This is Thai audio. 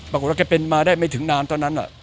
ปรากฏว่าแกเป็นมาได้ไม่ถึงนานเท่านั้น